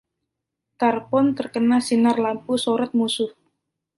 “Tarpon” terkena sinar lampu sorot musuh.